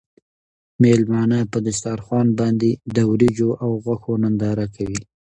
مېلمانه په دسترخوان باندې د وریجو او غوښو ننداره کوي.